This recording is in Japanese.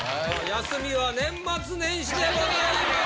休みは年末年始でございます。